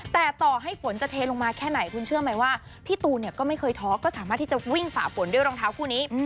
แต่ต่อให้ฝนจะเทลงมาแค่ไหนคุณเชื่อไหมว่าพี่ตูนก็ไม่เคยท้อก็สามารถที่จะวิ่งฝ่าฝนด้วยรองเท้าคู่นี้